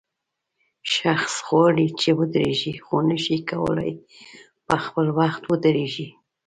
شخص غواړي چې ودرېږي خو نشي کولای په خپل وخت ودرېږي.